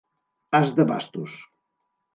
As de bastos.